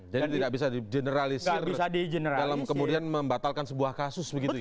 jadi tidak bisa di generalisir dalam kemudian membatalkan sebuah kasus begitu ya